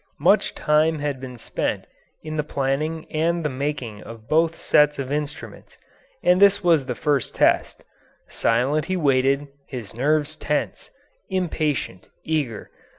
Much time had been spent in the planning and the making of both sets of instruments, and this was the first test; silent he waited, his nerves tense, impatient, eager.